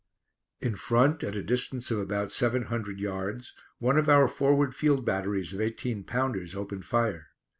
In front, at a distance of about seven hundred yards, one of our forward field batteries of 18 pounders opened fire.